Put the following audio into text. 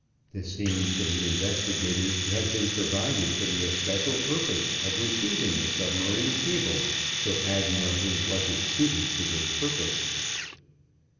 This seemed to the investigators to have been provided for the especial purpose of receiving a submarine cable, so admirably was it suited to this purpose.